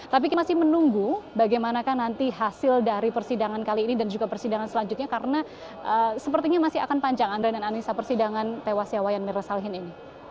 tapi kita masih menunggu bagaimana kan nanti hasil dari persidangan kali ini dan juga persidangan selanjutnya karena sepertinya masih akan panjang andra dan anissa persidangan tewasnya wayan mirna salihin ini